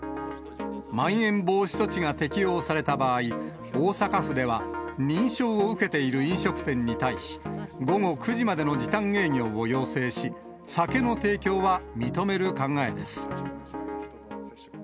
まん延防止措置が適用された場合、大阪府では、認証を受けている飲食店に対し、午後９時までの時短営業を要請し、酒の提供は認める考えです。